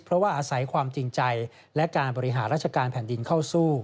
เพราะว่าอาศัยความจริงใจและการบริหารราชการแผ่นดินเข้าสู้